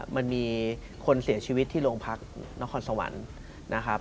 มันมีคนเสียชีวิตที่โรงพักนครสวรรค์นะครับ